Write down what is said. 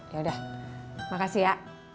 yaudah makasih ya